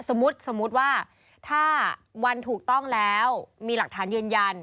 สมมุติว่าถ้าวันถูกต้องแล้วมีหลักฐานยืนยัน